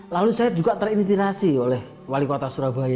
lalu saya juga terintirasi oleh wali kota surabaya